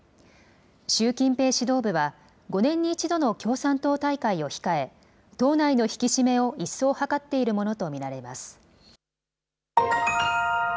習近平指導部は、５年に１度の共産党大会を控え、党内の引き締めを一層図っているものと見られます。